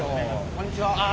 こんにちは。